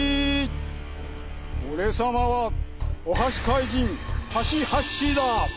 おれさまはおはしかいじんハシハッシーだ。